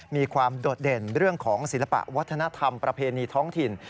มีความโดดเด่นเรื่องของศิลปะวัฒนธรรมประเพณีท้องถิ่น